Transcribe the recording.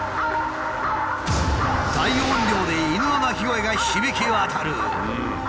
大音量で犬の鳴き声が響き渡る！